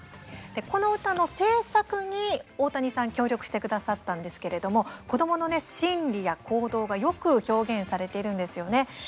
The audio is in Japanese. この歌の制作に大谷さん、協力してくださったんですけれども子どもの心理や行動がよく表現されているんですよね。